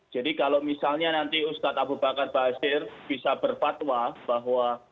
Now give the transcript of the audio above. jadi kalau misalnya nanti ustadz abu bakar basir bisa berfatwa bahwa